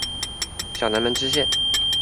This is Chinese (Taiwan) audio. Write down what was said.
小南門支線